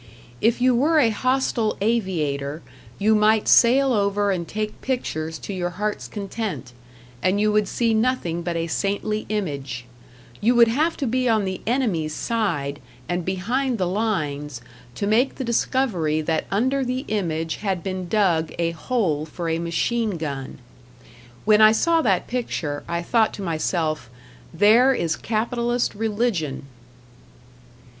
If you were a hostile aviator, you might sail over and take pictures to your heart's content, and you would see nothing but a saintly image; you would have to be on the enemy's side, and behind the lines, to make the discovery that under the image had been dug a hole for a machine gun. When I saw that picture, I thought to myself #there# is capitalist Religion!